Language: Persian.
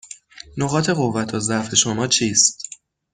نقاط قوت و ضعف شما چیست؟